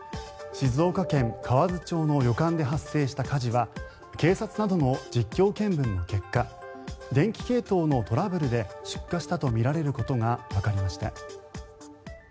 静岡県河津町の旅館で発生した火事は警察などの実況見分の結果電気系統のトラブルで出火したとみられることがわかりました。